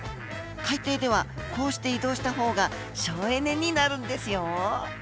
海底ではこうして移動したほうが省エネになるんですよ！